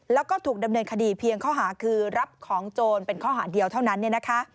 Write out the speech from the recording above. แล้วก็ถูกดำเนินคดีเพียงข้อหาคือรับของโจรเป็นข้อหาเดียวเท่านั้น